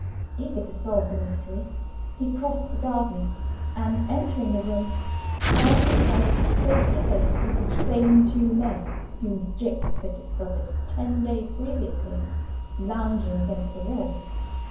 Eager to solve the mystery, he crossed the garden; and, entering the room, found himself face to face with the same two men whom Jicks had discovered ten days previously lounging against the wall.